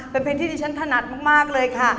เป็นเพลงที่ดิฉันถนัดมากเลยค่ะ